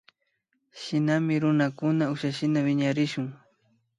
Shinami runakunaka ukshashina wiñarishun